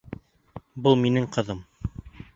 Был минең ҡыҙым